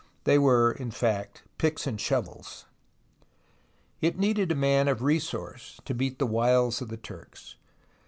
They were, in fact, picks and shovels ! It needed a man of resource to beat the wiles of the Turks.